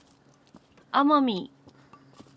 奄美